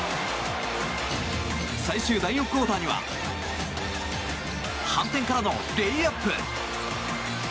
最終第４クオーターには反転からのレイアップ！